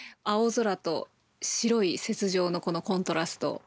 青空と白い雪上のこのコントラスト。